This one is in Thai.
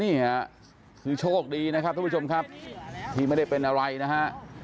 นี่ค่ะคือโชคดีนะครับทุกผู้ชมครับที่ไม่ได้เป็นอะไรนะฮะ